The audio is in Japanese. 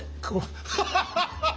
ハハハハッ！